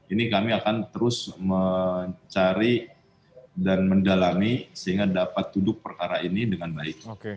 ini kami akan terus mencari dan mendalami sehingga dapat duduk perkara ini dengan baik